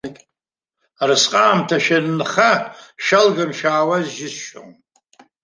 Арысҟаамҭа шәанынха шәалганы шәаауаз џьысшьон.